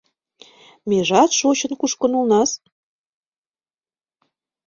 Межат шочын-кушкын улнас